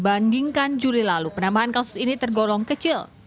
bandingkan juli lalu penambahan kasus ini tergolong kecil